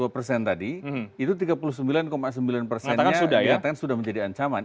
dua puluh persen tadi itu tiga puluh sembilan sembilan persennya dikatakan sudah menjadi ancaman